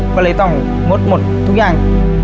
ก็เลยต้องงดหมดทุกอย่าง